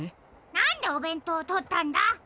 なんでおべんとうをとったんだ！？